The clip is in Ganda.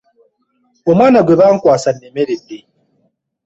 Omwana gwe bankwasa annemeredde.